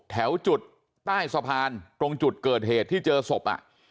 แถวจุดใต้สะพานตรงจุดเกิดเหตุที่เจอศพ